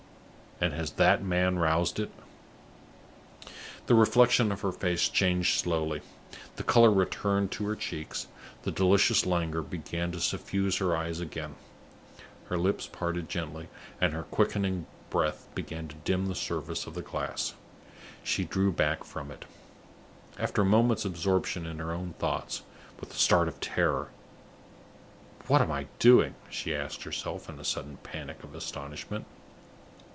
And has that man roused it?" The reflection of her face changed slowly. The color returned to her cheeks, the delicious languor began to suffuse her eyes again. Her lips parted gently, and her quickening breath began to dim the surface of the glass. She drew back from it, after a moment's absorption in her own thoughts, with a start of terror. "What am I doing?" she asked herself, in a sudden panic of astonishment.